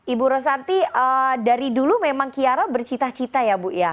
ibu rosanti dari dulu memang kiara bercita cita ya bu ya